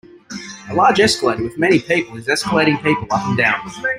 A large escalator with many people is escalating people up and down.